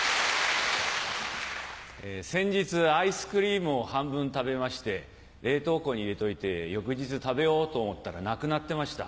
先日アイスクリームを半分食べまして冷凍庫に入れといて翌日食べようと思ったらなくなってました。